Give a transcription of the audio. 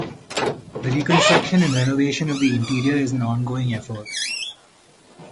The reconstruction and renovation of the interior is an ongoing effort.